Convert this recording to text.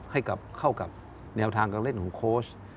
ให้กับเข้ากับแนวทางการเล่นของโค้ช